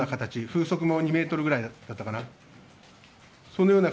風速も２メートルぐらいだったかな。